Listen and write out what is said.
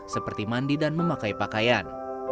seperti mandi dan memakai pakaian